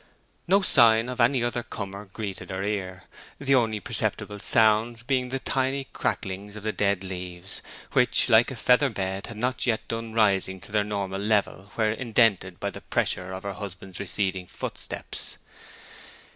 No sign of any other comer greeted her ear, the only perceptible sounds being the tiny cracklings of the dead leaves, which, like a feather bed, had not yet done rising to their normal level where indented by the pressure of her husband's receding footsteps.